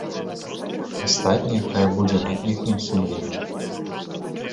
Астатняе хай будзе на іхнім сумленні.